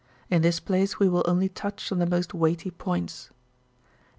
In this place we will only touch on the most weighty points.